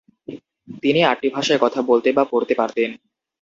তিনি আটটি ভাষায় কথা বলতে বা পড়তে পারতেন।